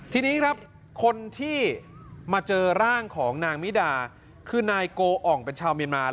ทีนี้ครับคนที่มาเจอร่างของนางมิดาคือนายโกอ่องเป็นชาวเมียนมา